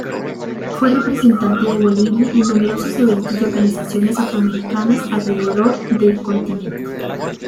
Fue representante de Bolivia en numerosos eventos de organizaciones afroamericanas alrededor del continente.